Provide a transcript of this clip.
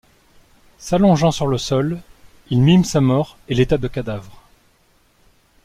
S'allongeant sur le sol, il mime sa mort et l'état de cadavre.